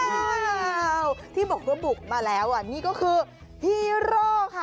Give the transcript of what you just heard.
อ้าวที่บอกว่าบุกมาแล้วอ่ะนี่ก็คือฮีโร่ค่ะ